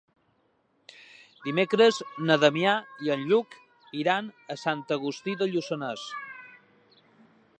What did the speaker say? Dimecres na Damià i en Lluc iran a Sant Agustí de Lluçanès.